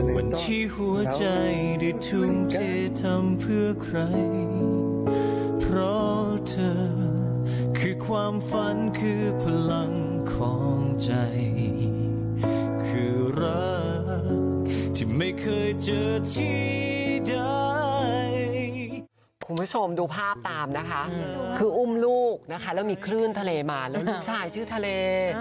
คุณผู้ชมดูภาพตามนะคะคืออุ้มลูกนะคะแล้วมีคลื่นทะเลมาแล้วลูกชายชื่อทะเล